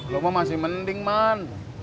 lo mah masih mending man